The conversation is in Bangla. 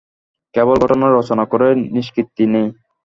কেবল ঘটনা রচনা করে নিষ্কৃতি নেই?